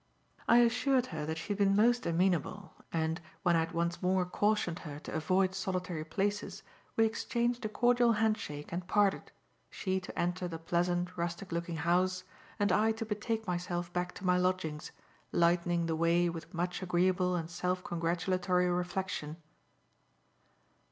I assured her that she had been most amenable, and, when I had once more cautioned her to avoid solitary places, we exchanged a cordial hand shake and parted, she to enter the pleasant, rustic looking house, and I to betake myself back to my lodgings, lightening the way with much agreeable and self congratulatory reflection.